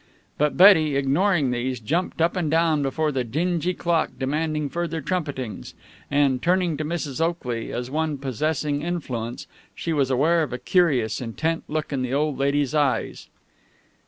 But Betty, ignoring these, jumped up and down before the dingy clock, demanding further trumpetings, and, turning to Mrs. Oakley, as one possessing influence, she was aware of a curious, intent look in the old lady's eyes.